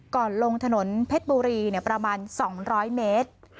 ลงถนนเพชรบุรีประมาณ๒๐๐เมตร